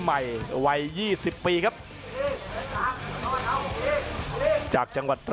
อัศวินาศาสตร์